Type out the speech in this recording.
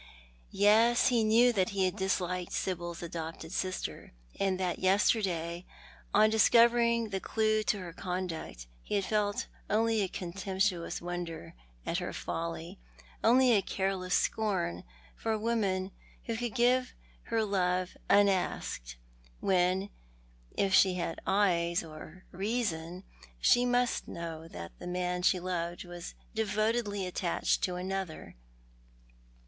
Yes, he knew that he had disliked Sibyl's adopted sister, and that yesterday, on discovering the clue to her conduct, he had felt only a contemptuous wonder at her folly, only a careless scorn for a woman who could give her love unasked ; when, if she had eyes or reason, she must know that the man she loved was devotedly attached to another.